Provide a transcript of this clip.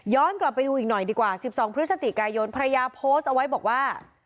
กลับไปดูอีกหน่อยดีกว่า๑๒พฤศจิกายนภรรยาโพสต์เอาไว้บอกว่า